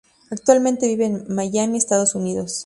Actualmente vive en Miami, Estados Unidos.